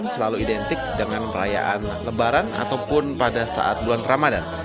selalu identik dengan perayaan lebaran ataupun pada saat bulan ramadan